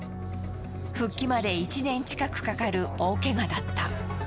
復帰まで１年近くかかる大けがだった。